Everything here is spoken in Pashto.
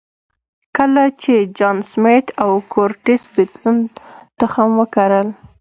کله چې جان سمېت او کورټس بېلتون تخم وکرل.